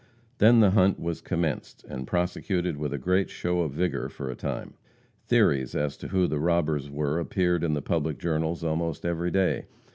Then the hunt was commenced, and prosecuted with a great show of vigor for a time. Theories as to who the robbers were appeared in the public journals almost every day.